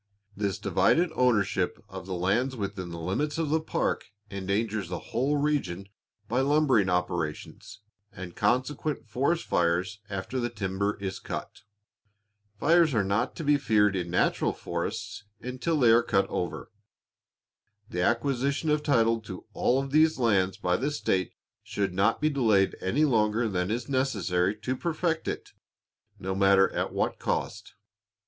This divided ownership of the lands within the limits of the park endangers the whole region by lumbering operations, and consequent forest fires after the timber is cut. Fires are not to be feared in natural forests until they are cut over. The acquisition of title to all these lands by the state should not be delayed any longer than is necessary to perfect it, no matter at what cost.